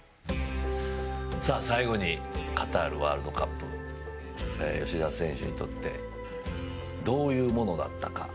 最後にカタールワールドカップ吉田選手にとってどういうものだったか。